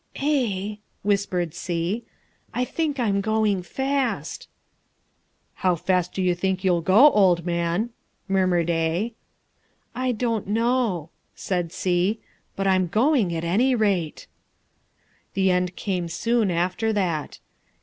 "A," whispered C, "I think I'm going fast." "How fast do you think you'll go, old man?" murmured A. "I don't know," said C, "but I'm going at any rate." The end came soon after that.